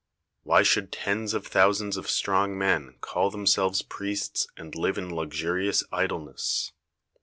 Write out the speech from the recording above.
Why should tens of thousands of strong men call themselves priests and live in luxurious idleness?